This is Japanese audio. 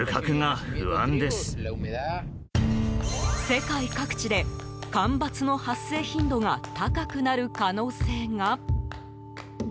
世界各地で干ばつの発生頻度が高くなる可能性が。